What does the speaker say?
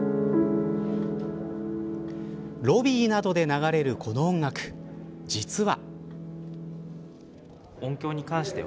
ロビーなどで流れるこの音楽実は。